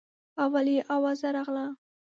اول یې اوازه راغله.